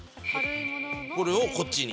これをこっちに。